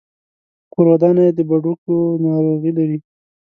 کورودانه يې د بډوګو ناروغي لري.